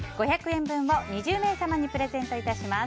５００円分を２０名様にプレゼントいたします。